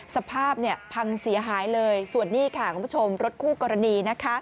สภาพพังเสียหายเลยส่วนนี้ค่ะคุณผู้ชมรถคู่กรณีนะคะ